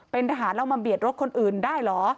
เป็นทหารแล้วมาเบียดรถคนอื่นได้เหรอ